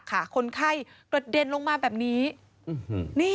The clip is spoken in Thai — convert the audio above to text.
ดูสิฟะนะค่ะคนไข้กระเด็นลงมาแบบนี้